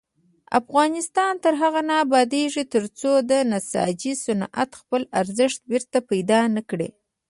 افغانستان تر هغو نه ابادیږي، ترڅو د نساجي صنعت خپل ارزښت بیرته پیدا نکړي.